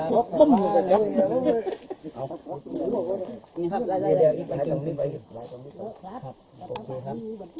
ขอบคุณครับ